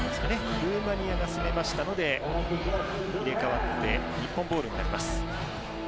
ルーマニアが攻めましたので入れ替わって日本ボールになります。